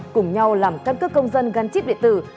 cùng nhau làm căn cứ công dân gắn chip địa tử